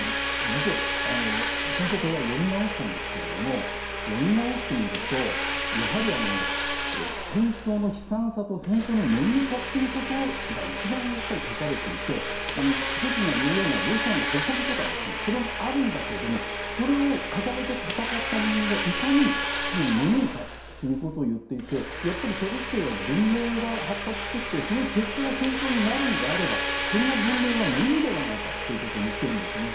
実は「戦争と平和」を読み直したんですが読み直してみるとやはり、戦争の悲惨さと戦争の無意味さが一番書かれていてプーチンが言うようなロシアの誇りとかそれもあるんだけどもそれを掲げて戦った人間がいかに無意味かと言っていてやっぱりトルストイは文明が発達してきてその結果が戦争になるのであればそんな文明は無意味ではないかと言っているんですね。